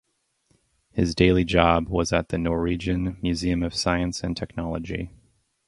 His daily job was at the Norwegian Museum of Science and Technology.